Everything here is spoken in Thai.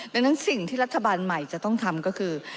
ดังนั้นสิ่งที่รัฐบาลใหม่จะต้องทำก็คือ